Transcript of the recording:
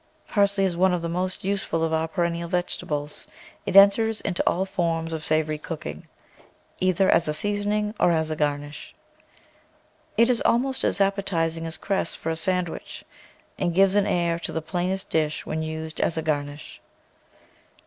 PARSLEY Is one of the most useful of our perennial vege tables; it enters into all forms of savory cooking, either as a seasoning or as a garnish. It is almost as appetising as cress for a sandwich, and gives an air to the plainest dish when used as a garnish.